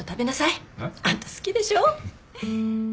えっ？あんた好きでしょ？